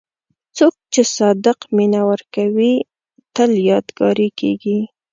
څوک چې صادق مینه ورکوي، تل یادګاري کېږي.